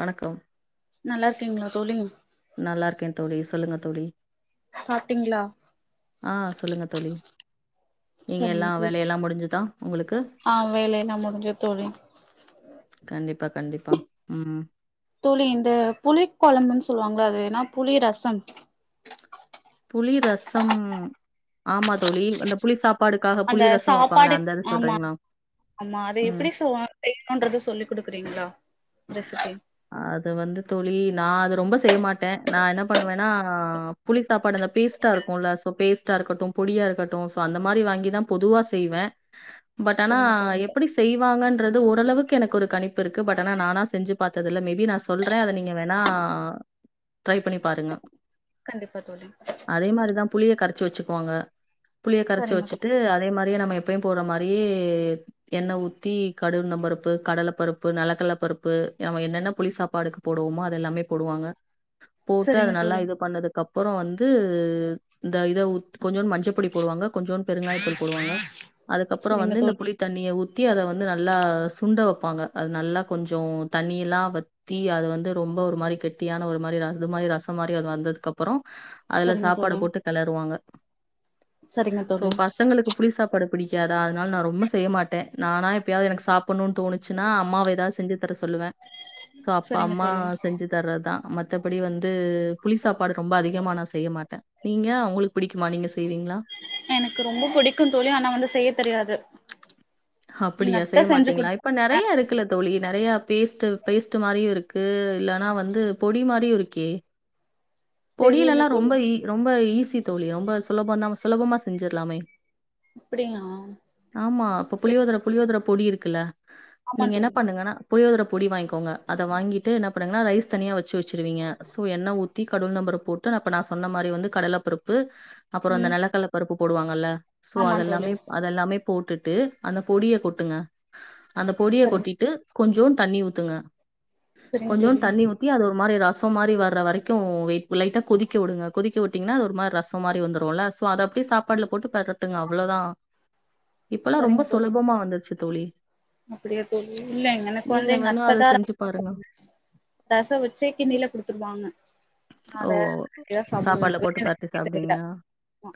வணக்கம் நல்லா இருக்கிங்களா தோழி நல்லா இருக்கே தோழி சொல்லுங்க தோழி சாப்ட்டீங்களா ஆ சொல்லுங்க தோழி நீங்க சரிங்க எல்லாம் தோழி வேலையெல்லாம் முடிஞ்சுதா உங்களுக்கு ஆ வேலையெல்லா முடிஞ்சது தோழி இப்ப கண்டிப்பா ம் தோழி இந்த புளி கொழம்புன்னு சொல்லுவாங்களா அது ஏன்னா புளி ரசம் புளி ரசம் ஆமா தோழி அந்த புளி சாப்ப அந்த சாப்பாடு ஆமா ஆமா அது ம் எப்டி செய்யணும்ன்றது சொல்லி் கொடுக்குறீங்களா அது வந்து தோழி நான் அது ரொம்ப செய்யமாட்டே நான் என்ன பண்ணுவேன்னா புளி சாப்பாடு அந்த பேஸ்ட்டா இருக்கும்ல்ல சோ பேஸ்ட்டா இருக்கட்டும் பொடியா இருக்கட்டும் சோ அந்த மாதிரி வாங்கிதா பொதுவா செய்வே பட் ஆனா சரிங்க தோழி எப்படி செய்வாங்கன்னு து ஓரளவுக்கு எனக்கு ஒரு கணிப் இப்ப இருக்கு பட்டண நானா செஞ்சு பாத்ததுல மேபி நான் சொல்றேன் அதை நீங்க வேணா ட்ரை பண்ணி பாருங்க கண்டிப்பா தோழி அதே மாரிதான் புளிய கரைச் ச்சு வச்சுக்குவாங்க புளிய கரச்சு சரிங்க தோழி வச்சுட்டு அதே மாரி நம்ம எப்பம் போடுற மாரி எண்ணெ ஊத்தி கடுந்த பருப்பு கடலை பருப்பு நிலக்கல்ல பருப்பு ப்பு நம்ம என்னென்ன புளி சாப்பாடுக்கு போடுவோமோ அது எல்லாமே போடுவாங்க போட்டு அது சரிங்க நல்லா தோழி இது பண்ணதுக்கு அப் அப்புறோ வந்து இந்த இத ஊத் கொஞ்சோனு மஞ்ச பொடி போடுவாங்க கொஞ்சோனு பெருங்காயத்தூள் போடுவாங்க அதுக்கப்புறோ சரிங்க வந்து இந்த தோழி புளித்தண்ணியை ஊத் ஊத்தி அத வந்து நல்லா சுண்ட வைப்பாங்க அது நல்லா கொஞ்சோ கொஞ்சோ தண்ணியெல்லா வத்தி அது வந்து ரொம்ப ஒரு மாரி கெட்டியான ஒரு மாரி இது மாரி ரசம் மாரி அது வந்ததுக்கப்புறோ அதுல சரிங்க சாப்பாடை தோழி போட்டு கிளருவாங்க சரிங்க சோ தோழி பசங்களுக்கு புளிசாப்பாடு பிடிக்காதா அதனால நான் ரொம்ப செய்ய மாட்டேன் நானா எப்பயாவது எனக்கு சாப்பிடணும்னு தோணுச்சுன்னா அம்மாவ ஏதாவ செஞ்சு தர சொல்லுவேன் சோ அப்பா சரிங்க அம்மா தோழி செஞ்சு தரதான் மத் மத்தபடி வந்து புளி சாப்பாடு ரொம்ப அதிகமா நான் செய்ய மாட்டேன் நீங்க உங்களுக்கு புடிக்குமா நீங்க செய்வீங்களா? எனக்கு ரொம்ப புடிக்கும் தோழி ஆனா வந்து செய்ய தெரியாது நீங்க அப்படியா அத்த செஞ்சு செய்யமாட்டீங்களா இப்ப குடுப்பாங்க நெறைய இருக்குல்ல தோழி நெறைய பேஸ்ட் பேஸ்ட் மாரியும் இருக்கு இல்லைன்னா வந்து பொடி மாரியும் இருக்கே பொடியில தெரியல எல்லா தோழி ரொம்ப ஈ ரொம்ப ஈஸி ஈசி தோழி ரொம்ப சுலபம்தா சுலபமா செஞ்சிடலாமே அப்படியா ஆமா அப்ப புளியோதர புளியோதர பொடி இருக்குல்ல ஆமா நீங்க என்ன தோழி பண்ணுங்கான்னா புலியோதரை பொடி வாங்கிக்கோங்க அத வாங்கிட்டு என்ன பண்ணுங்கா ரைஸ் தனியா வச்சு வச்சிருவீங்க சோ எண்ண ஊத்தி நம்பரு போட்டு அப்ப நா சொன்ன மாரி வந்து கடல பருப்பு அப்புறோ அந்த ம் நிலக்கடல பருப்பு போடுவாங்கள்ல சோ ஆமா தோழி அதெல்லாமே அதெல்லாமே போட்டுட்டு அந்த பொடிய கொட்டுங்க அந்த பொடியை சரிங்க கொட்டிட்டு கொஞ்சோ தண்ணி ஊத்துங்க சரிங்க கொஞ்சோ தோழி தண்ணி ஊத்தி அது ஒரு மாரி ர சோ மாரி வர்ற வரைக்கு ட்டு வெ லைட்டா கொதிக்க வுடுங்க, கொதிக்க வுட்டீங்கா அது ஒரு மாரி ரசோ மாரி வந்துருல சோ அத அப்டியே சாப்பாடுல போட்டு பெரட்டுங்க அவளோதா இப்பல்லா ரொம்ப சுலபமா வந்துருச்சு தோழி அப்படியே தோழி, இல்ல எனக்கு வந்து நீங்க எங்க வேணா அத அத்ததா செஞ்சு பாருங்க [inaudible] ரசோ வச்சி கிண்ணில குடுத்துருவாங்க நா ஓ அத அப்டிதா சாப்டுவே சாப்பாடுல போட்டு எனக்கு பெரட்டி செய்ய தெரில சாப்டுவிங்க ஆமா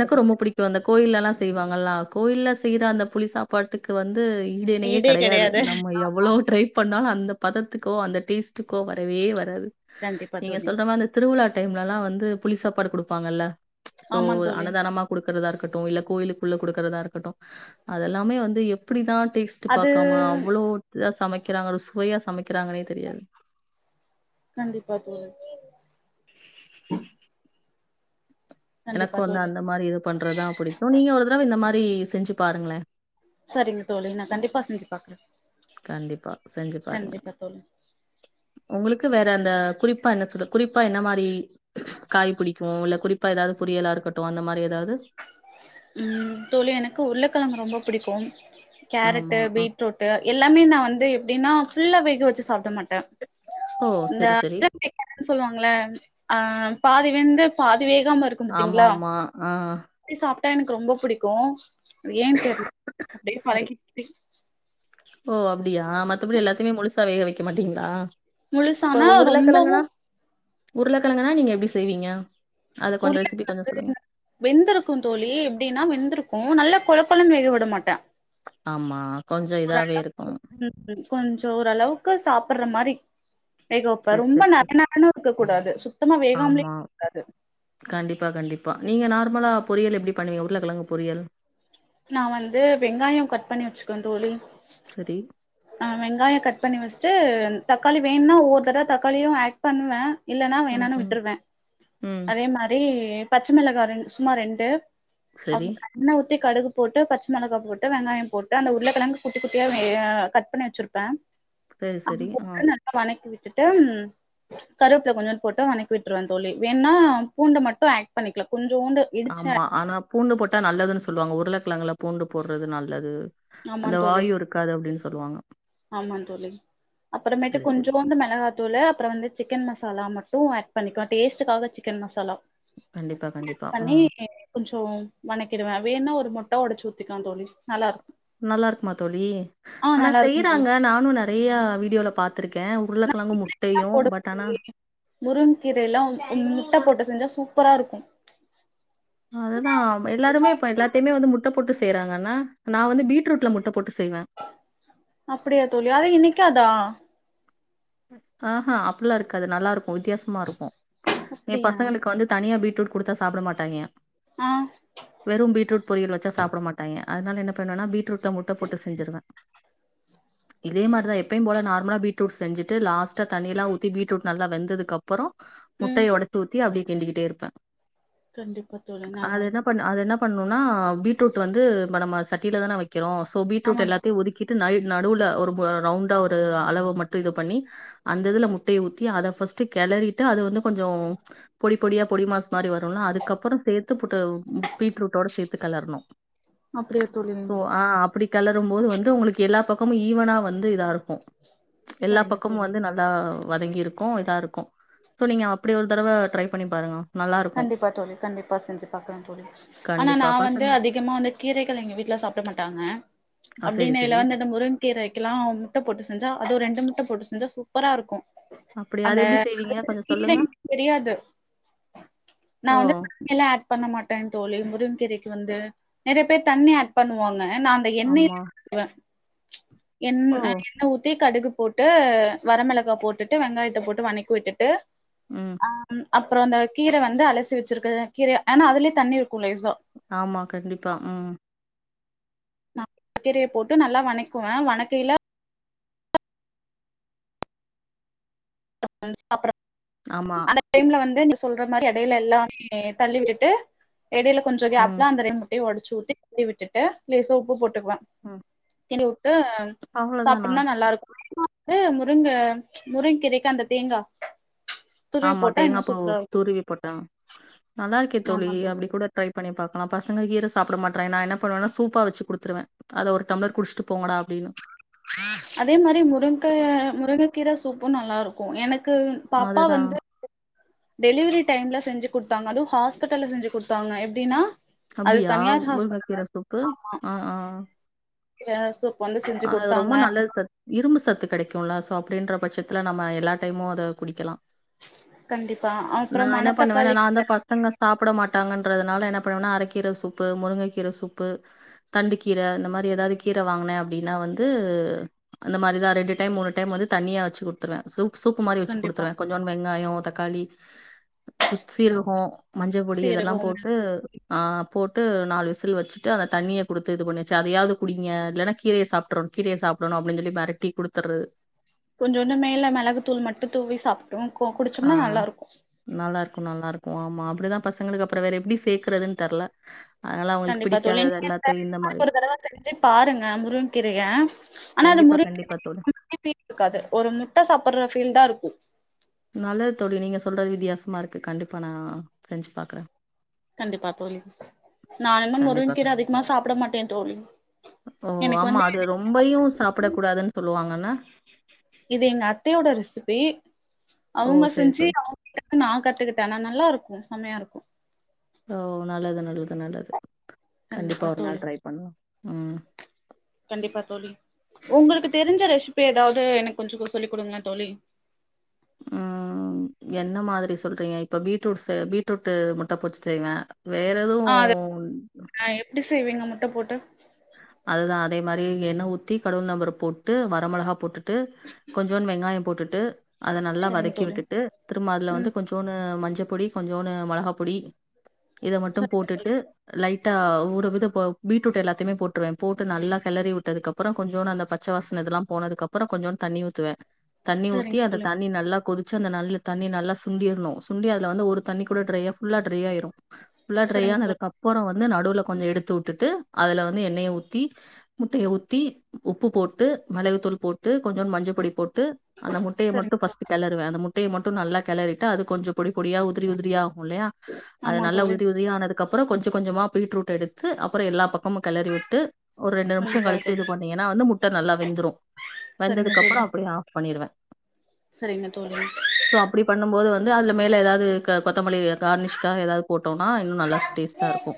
அத ரொம்ப பத்தி புடிக்கு அந்த கோயில்லலா செய்வாங்கல்லா கோயில்ல செய்ற அந்த புளி சாப்பாட்டுக்கு வந் து ஈடு இணையே கெடையாது நம்ம எவ்ளோ ட்ரை பண்ணாலு அந் அந்த பதத்துக்கோ அந்த டேஸ்டுக்கோ வரவே வராது கண்டிப்பா நீங்க தோழி சொல்ற மாரி இந்த திருவிழா டைம்லல்லா வந்து புளி சாப்பாடு குடுப்பாங்கல்ல சோ ஆமா தோழி அன்னதானமா குடுக் கறதா இருக்கட்டு இல்ல கோயிலுக்குள்ள குடுக்கறதா இருக்கட்டு அதெல்லாமே வந்து எப்படிதா டேஸ்ட் அது பாக்காம அவ்ளோ இதா சமைக் கிறாங்க ஒரு சுவையா சமைக்கிறாங்கன்னே தெரியாது கண்டிப்பா தோழி கண்டிப்பா எனக்குக்கு வந்து தோழி அந்த மாரி இது பண்றதுதா புடிக்கு நீங்க ஒரு தரவ இந்த மா ரி செஞ்சு பாருங்களே சரிங்க தோழி நா கண்டிப்பா செஞ்சு பாக்ற கண்டிப்பா செஞ்சு பாருங்க தோழி உங்களுக்கு வே ற அந்த குறிப்பா என்ன சொல குறிப்பா என்ன மாரி காய் புடிக்கு இல்ல குறிப்பா ஏதாவ்து பொறியலா இருக்கட்டு அந்த மாரி ஏதாவ்து ம் தோழி எனக்கு உர்ளக்கெழங்கு ரொம்ப புடிக்கு கேரட்டு ஆமா. அ. பீட்ரூட்டு எல்லாமே நா வந்து எப்டின்னா ஃபுல்லா வேக வச்சு சாப்ட மாட்ட ஓ! இந்த சரி, சரி. [inaudible] சொல்லுவாங்கள ஆ பாதி வெந்து பா தி வேகாம இருக்கும் பாத்தீங்களா ஆமாமா. ஆ. சாப்ட்டா எனக்கு ரொம்ப புடிக்கு ஏன் தெர் அப்டே சாரி. பழகிர்ச்சி அப்டியா மத்தப்படி எல்லாத்தைமே முழுசா வேக வெக் க மாட்டிங்ளா முழுசானா ரொம்பவும் உருளக்கெழங்குனா நீங்க எப்டி செய்வீங்க அத கொஞ்ச ரெசிபி கொஞ்ச சொல்லுங்க. வெந்திருக்கு தோழி எப்டினா வெந்திருக்கு நல்லா கொழப்பலா வேகவிட மட்டே ஆமா கொஞ்ச இதாவே இருக்கு. கொஞ்ச ஓரளவுக்கு சாப் புட்ற மாரி இது எப்ப சரி ரொம்ப சரி சரி. நரநரனு இருக் க்க கூடாது சுத் ஆமா கண்டிப்பா கண்டிப் பா நீங்க நார்மலா பொரியல் எப்டி பண்ணுவீங் உருளக்கெழங்கு பொரியல் நா வந்து வெங்காய கட் பண்ணி வச்சுக்குவே தோழி சரி. ஆஹ் வெங்காய கட் பண்ணி வச்ட்டு தக்காளி வேணும்னா ஒவ்வொரு தடவ தக்காளியு ஆட் பண்ணுவே இல்லனா ம் வேணானு ம் விட்ருவே ம். அதே மாரி பச்ச மிளகா ரெண் சும்மா ரெண்டு அப் சரி. எண்ணெ ஊத் தி கடுகுப் போட்டு பச்ச மிளகா போட்டு வெங்காயம் போட்டு அந்த உருளக்கெழங்கு குட்டி குட்டியா ஏ கட் பண்ணி வச்சிருப்பே செரி செரி உம் திட்டும் கருவப்புல கொஞ்சோன் போட்டு வணக்கி விட்டுருவே தோழி வேண்னா பூண்ட மட்டு ஆட் பண்ணிக்லா கொஞ்ச ஆமா ஆனா பூண்டு போட்டா நல்லதுன்னு சொ சொல்லுவாங்க உருளக்கெழங்குள பூண்டு போட்றது நல்லது அந்த வாயு இருக்காது அப்டின் சொல்லுவாங்க ஆமாங் தோழி அப்பறமேட்டு சரி சரி. கொஞ்சோன்டு மிளகாத்தூளு அப்பற வந்து சிக்கன் மசாலான் மட்டு ஆட் பண்ணிக்குவ டேஸ்டுக்காக சிக்கன் மசாலா கண்டிப்பா கண்டிப்பா. பண்ணி ம். எப் கொஞ்சோ மெனக்கிடுவே அதே மார் இருந்தா ட ஒடச்சு ஊத்திக்வோ தோழி நல்லா இருக்கு நல்லா இருக்குமா தோழி ஆ ஆனா நல்லா இருக்கு தோழி செய்றாங்க நானு நெறையா வீடியோல பாத் த்துருக்கே நா உருளக்கெழங்கு கீரைலா முட்டையு போடுவே பட் ஆனா தோழி ட்ட போட்டு செஞ்சா சூப்பரா இருக்கு அத நா எல்லாருமே இப்ப எல்லாத்தைமே வந்து முட்ட போட்டு செ செய்றாங்கனா நா வந்து பீட்ரூட்ல முட்ட போட்டு செய்வேன். அப்படியா தோழி அத இன்னைக் கியாதா அ அ அப்ல்லா இருக்காது நல்லா ரு க்கு வித்தியாசமாருக்கு ஏ அப்படியா பசங்களுக்கு வந்து தனியா பீட் ரூட் குடுத்தா சாப்ட மாட்டாங்யே ஆ வெறு பீட்ருட் பொரியல் வச்ச சாப்ட மாட்டாங்யே அத்னால என்ன பண்வனா பீட்ரூட்ல முட்ட போட்டு செஞ்சிருவே இதே மாரிதா எப்பேயு போல நார்மல பீட்ரூட் செஞ்சு ட்டு லாஸ்ட தண்ணில்லா ஊத்தி பீடரூட் நல்லா வெந்ததுகப் புறோ ம் முட்டைய ஒடத் ஊத்தி அப்டி கிண்டிக்கிட்டே இருப்பே கண்டிப்பா தோழி நல்லா அது இன்னா இருக்கு பண் அது இன்னா பண் னொனா பீட்ரூட் வந்து ப்ப நம்ம சட்டியில தானே வை கிரோ சோ ஆமா பீ்ட்ரூட் தோ எல்லத்தியு ஒதுக்கிட்டு [unintelligible] நடுவுல ஒரு மோ ரவுண்டா ஒரு அளவு மட்டு இது பண்ணி அந்ததுல முட்டேய ஊத்தி அத ஃபஸ்டு கெளறிட்டு அது வந்து கொஞ்சோ பொடி பொடியா பொடி மாஸ் மாரி வருலா அதுக்கப்புறோ சேர்த்து போட்டு ஓ ம் பீட்ரூட்டோட சேத்து கெளர்ணு அப்டியா தோழி சோ அ அப்பிடி கெலர் ரும்போது வந்து உங்களுக்கு எல்லா பக்கமு ஈவனா வந்து இதாரு கு எல்லா சரிங்க பக் க்கமு தோழி வந்து நல்லா வதங்கிருக்கூ இதாருக்கூ சோ நீங்க அப்படி ஒரு தடவ ட்ரை பண்ணி பாருங்க நல்லாருக்கும். கண்டிப்பா தோழி கண்டிப்பா செஞ்சு பாக்றே தோழி ஆனா நா கண்டிப்பா. வந்து பசங்க அதிகமா வந்து கீரைகள் எங்க வீட்ல சாப்ட மாட்டாங்க ஆ சரி, சரி. அப்படின்னில வந்து அந்த முருங் கீரேக்கெல்லா முட்ட போட்டு செஞ்சா அதுவு ரெண்டு முட்ட போட்டு செஞ்சா சு சூப்பராருக்கூ அப்டிய அது எப்டி செய்வீங்க கொஞ்சோ சொல்லுங்க தெரியாது நா ஓ! வந்து தண்ணி எல்லா ஆட் பண்ண மாட்டே தோழி முருங் கீரைக்கு வந்து நெறைய பேர் தண்ணி ஆட் பண்ணுவாங்க ஆன் நா அந்த எண்ணெய் ஆமா. வ என் அ ஓ! எண்ண ஊத்தி கடுகு போட்டு வரமெளகா போட்டுட்டு வெங்காயத்த போட்டு வனைக் விட்டுட்டு ம். அ ம் அப்றோ அந்த கீர வந்து அலசி வச்சிருக்குற கீரய ஆனா அதுலே தண்ணி இருக்கு லேஸ்ஸா ஆமா, கண்டிப்பா. ம். நா கீரைய போட்டு நல்லா வனைக்குவ வனைக்கேல [inaudible] அப்றோ ஆமா. அந்த டைம்ல வந்து சொல்ற மாரி எடைல எல்லாமே தள்ளி விட்டுட்டு எடேல கொஞ்சொ ம், கேப்ல அந்த ரெண்டு முட்டைய ஒடச்சு ஊத்தி தள்ளி விட்டுட்டு லேசா உப்பு போட்டுக்குவ ம் எந்த உப் து அவ்வளோதானா? சாப்புன்னா நல்லா இருக் க முருங்க முருங் கீரேக்கு அந்த தேங்கா துருவி ஆமா போட்டா தேங்கா இன்னு பாவூ சூப்பரா இருக்கு துருவி போட்டா நல்லா இருக்கே தோழி அப்டி கூட ட்ரை பண்ணி பாக் ஆனா பசங்க கீர சாப்புட மாட்றாங்க நா என்ன பண்ணுவனா சூப்பா வச்சு குடுத்துருவ அத ஒரு டம்ளர் குடிச்ட்டு போங்கடா அப்டின்னு அதே மாரி முருங்காய முருங்க கீர சூப்பு நல்லா இருக்கு எனக் கு பாப்பா அதுதான். வந்து டெலிவரி டைம்ல செஞ்சு குட்த்தாங்க அதூ ஹாஸ்பிட்டல்ல செஞ்சு குட்த்தாங்க எப்டினா அப்டியா முருங்ககீர சூப்பு அஹ் ஆஹ் ஏ நர்ஸு ஆஹ் அது ரொம்ப நல்லஸ்டர் இரும்பு சத்து கெடைக்கூல சோ அப்டின்ற பட்சத்ல நம்ம எல்லா டைமு அத குடிக்கலா கண்டிப்பா நா அப்றோ என்ன பண்ணுவேனா மணத்தக்காளி நா தா கீர பசங்க சாப்புட மாட் தாங்கன்றதுனால என்ன பண்ணுவனா அரக்கீர சூப்பு முருங்க கீர சூப்பு தண்டு கீர அந்த மாரி ஏதாது கீர வாங்குனே அப்டினா வந்து அந்த மாரிதா ரெண்டு டைம் மூணு டைம் வந்து தண்ணியா வச்சு குடுத்துர்வ சூப் சூப்பு மாரி வச்சு கண்டிப்பா குடுத்துருவ கொஞ்சோன் வெங்காயோ தக்காளி குத் சீரகோ மஞ்ச பொடி இதெல்லா சீரகோ போட்டு ஆஹ் போட் ட்டு நாலு விசில் வச்சுட்டு அந்த தண்ணிய குடுத்து இது பண்ணிச்சு அதையாது குடிங்க இல்லனா கீரய சாப்ட்ருன் கீரய சாப்டுணு அப்டின் சொல்லி மெரட்டி குடுத்தற்றது கொஞ்சோண்டு மேல மெளகு தூள் மட்டு தூவி சாப் டூன் கு குடிச்சம்னா நல்லா இருக்கு கு ஆமா அப்டிதா பசங்களுக் அப்புறோ வேற எப்டி சேக்கறதுன் தெர்ல அதனால அவங்களுக்கு கண்டிப்பா தோழி பிடிக்காதது எல்லாத்தையும் இந்த [inaudible] மாரி ஒரு தடவ செஞ்சு பாருங்க முருங்க கீரையே ஆனா அந்த கண்டிப்பா கண்டிப்பா தோழி முருங்கு [inaudible] இருக்காது ஒரு முட்ட சாப்புடுற ஃபீல் தா இருக்கு நல்லது தோழி நீங்க சொல்றது வித்தியாசமா இருக்கு கண்டிப்பா நா செஞ்சு பாக்குறே கண்டிப்பா தோழி நா என்ன கண்டிப்பா முருங்கக் கீர அதிகமா சாப்பிட மாட்டே தோழி ஓ எனக்கு ஆமா வந்து [inaudible] அது அஹ் பே ஓ அவங்க சரி செஞ்சு சரி அவங்க கிட்ட நா கத்துக்கிட்டே அனா நல்லா இருக்கு செம்மையா இருக்கு ஓ நல்லது நல்லது நல்லது கண்டிப்பா ஒரு தோழி நாள் ட்ரை பண்ணலா ம் கண்டிப்பா தோழி உங்களுக்கு தெரிஞ்ச ரேஷு பி ஏதாவது எனக்கு கொஞ்சொகு சொல்லி் கொடுங்க தோழி உஹ்ம் என்ன மாதிரி சொல்றீங்க இப்ப பீட்ரூட்ஸு பீட்ரூட் முட்ட போட்டு செய்வே வேற ஆ அது இப்போ எதுவு எப்பிடி ப்பிடி செய்வீங்க முட்ட போட்டு அதுதான் அதே மாரி எண்ணெய் ஊத்தி கடுகு உளுந்து பருப்பு போட்டு ட்டு வர மொளகா போட்டுட்டு கொஞ்ச வெங்காயம் போட்டுட்டு ட்டு அத நல்லா சரிங்க வதக்கி தோழி விட்டுட்டு திரும்ப அதுல வந்து ம் கொஞ்சோன்னு மஞ்ச மஞ்ச பொடி கொஞ்சோன்னு மொளகாப்பொடி இத மட்டு சரிங்க தோழி போட்டுட்டு லைட் ட்டா ஒரு இது ப பீட்ரூட் எல்லா த்தையுமே போட்ருவே போட்டு நல்லா கெளறி விட்டதுக்கு அப்பறோ கொஞ்சோடு அந்த பச்ச வாசனை இதெல்லா போனதுக்கு அப்பறோ கொஞ்சோண்டு தண்ணி ஊத்துவே தண்ணி ஊத்தி சரிங்க அந்த தோழி தண்ணி நல்லா கொதி ச்சி அந்த நல்லு தண்ணி நல்லா சுண்டிர்னு சுண்டி அதுல வந்து ஒரு தண்ணி கூட ட்ரையா ஃபுல்லா ட்ரையாயிரு ஃபுல்லா சரிங்க தோழி ட்ரையானதுக்கப்பறோ வந் ந்து நடுவுல கொஞ்சோ எடுத்து வுட்டுட்டு அதுல வந்து எண்ணெய ஊத்தி முட்டைய ஊத்தி உப்பு போட்டு மெளகுத்தூள் போட் டு கொஞ்சோண்டு மஞ்ச பொடி போட்டு அந்த முட்டைய மட்டு சரிங்க ஃபர்ஸ்ட் தோழி கெளருவே அந்த முட் முட்டைய மட்டு நல்லா கெளறிட்டு அது கொஞ்சோ பொடி பொடியா உதிரி உதிரியா ஆகு இல்லையா அது ஆமா நல்ல தோழி உதிரி உதிரியானதுக்கு க்கு அப்பறோ கொஞ்ச கொஞ்சமா பீரூட்ட எடுத்து அப்பற எல்லா பக் கமு கெளறி வுட்டு ஒரு ரெண்டு நிமிஷ கண்டிப்பா கழித்து இது தோழி பண்ணிங்கன்னா வந்து முட்டை நல்லா வெந்துடு சரிங்க தோழி வெந்ததுக்கப்பறோ அப்டியே ஆஃப் பண்ணிடுவே சரிங்க தோழி சோ அப்டி பண்ணும்போது வந்து அதுல மேல ஏதாவது கொத்தமல்லி கார்னிஷ்காக ஏதாவது போட் ட்டோனா இன்னு நல்ல டேஸ்டா இருக்கு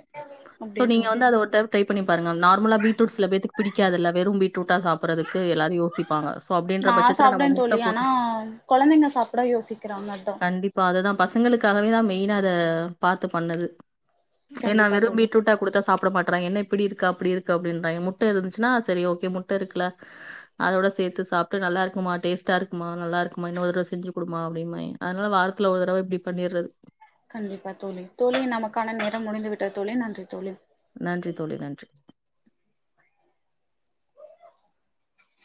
சோ அப்படியே நீங்க தோழி வந்து அது ஒரு டைம் ட்ரை பண்ணி பாருங்க நார்மலா பீட்ரூட் சிலபேதுக்கு பிடிக்காது இல்ல வெறு பீட்ரூட்டா சாப்புட்றதுக்கு எல்லாரு யோசிப்பாங்க சோ அப்டின்ற நா பட்சத்தில சாப்டுவே நம்ம முட்ட தோழி ஆனா போட்டு கொழந்தைங்க சாப்ட யோசிக்கிறாங்க அதா கண்டிப்பா அதுதா பசங்களுக்காகவேதா மெயினா அத பாத்து பண்ணது ஏன்னா கண்டிப்பா வெறு தோழி பீட்ரூட்டா குடுத்தா சாப்ட மாட் ன்ற என்ன இப் இப்டி இருக்கு அப்டி இருக்கு அப்டின்றாங்க முட்ட இருந்துச்சுன்னா சரி ஓகே முட்ட இருக்கல அதோட சேத்து சாப்பிட்டு நல்லாக்குமா டேஸ்ட்டா இருக்குமா நல்லாக்குமா இன்னொரு தடவ செஞ்சு குடுமா அப்டிம்பாங்க அதனால வாரத்துல ஒரு தடவ இப்டி பண்ணிட்றது கண்டிப்பா தோழி, தோழி நமக்கான நேரம் முடிந்து விட்டது தோழி, நன்றி தோழி நன்றி தோழி. நன்றி.